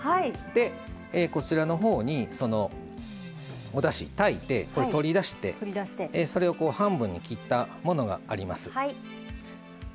でこちらのほうにそのおだし炊いて取り出してそれを半分に切ったものがあります。